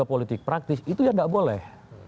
itu politik praktis itu ya tidak boleh